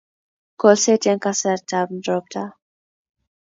Kolset eng kasartab ropta